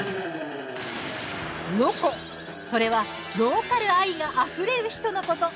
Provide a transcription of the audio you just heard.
ロコ、それはローカル愛があふれる人のこと。